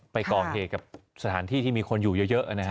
ไปก่อเหตุกับสถานที่ที่มีคนอยู่เยอะนะฮะ